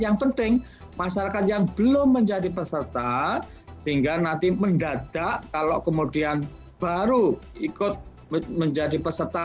yang penting masyarakat yang belum menjadi peserta sehingga nanti mendadak kalau kemudian baru ikut menjadi peserta